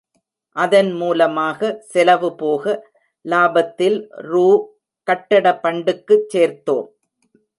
அதன் மூலமாக செலவு போக, லாபத்தில் ரூ. கட்டட பண்டுக்குச் சேர்த்தோம்.